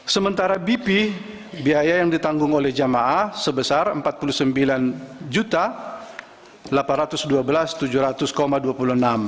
sementara bp biaya yang ditanggung oleh jamaah sebesar rp empat puluh sembilan delapan ratus dua belas tujuh ratus dua puluh enam